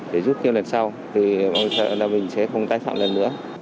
để giúp kêu lần sau mong mình sẽ không tái phạm lần nữa